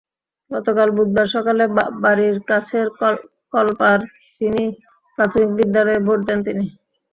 গতকাল বুধবার সকালে বাড়ির কাছের কল্পার চিনি প্রাথমিক বিদ্যালয়ে ভোট দেন তিনি।